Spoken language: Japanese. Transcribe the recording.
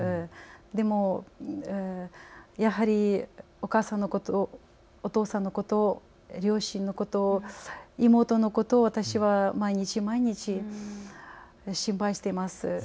でも、やはりお母さんのこと、お父さんのこと、両親のこと、妹のことを私は毎日、毎日、心配しています。